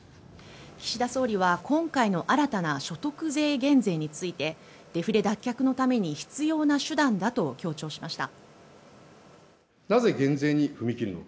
岸田総理は今回の新たな所得税減税についてデフレ脱却のために必要な手段だと強調しました。